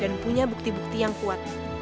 dan punya bukti bukti yang kuat